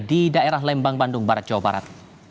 di daerah lembang bandung barat jawa barat